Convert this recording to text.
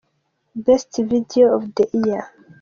Best video of the year.